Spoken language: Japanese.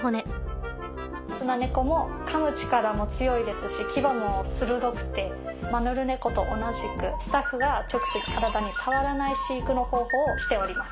スナネコもかむ力も強いですし牙も鋭くてマヌルネコと同じくスタッフが直接体に触らない飼育の方法をしております。